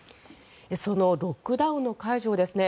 そのロックダウンの解除